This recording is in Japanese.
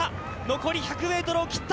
残りが３００ｍを切った。